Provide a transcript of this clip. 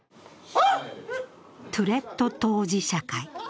トゥレット当事者会。